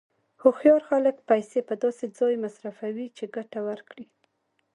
هوښیار خلک پیسې په داسې ځای مصرفوي چې ګټه ورکړي.